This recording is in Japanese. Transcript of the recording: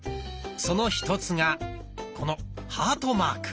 その一つがこのハートマーク。